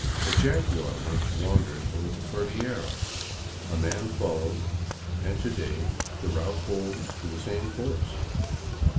A jaguar once wandered over the Cordillera, a man followed, and to day the route holds to the same course.